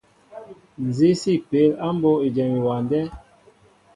Nzi si peel á mbóʼ éjem ewándέ ?